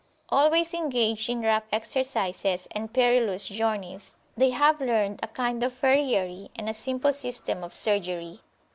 Always engaged in rough exercises and perilous journeys, they have learned a kind of farriery and a simple system of surgery.